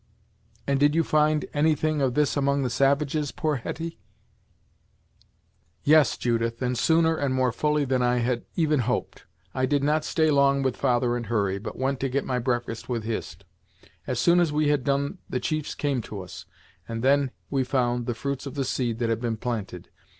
"And did you find any thing of this among the savages, poor Hetty?" "Yes, Judith, and sooner and more fully than I had even hoped. I did not stay long with father and Hurry, but went to get my breakfast with Hist. As soon as we had done the chiefs came to us, and then we found the fruits of the seed that had been planted.